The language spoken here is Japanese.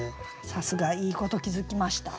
さすがいいこと気付きました。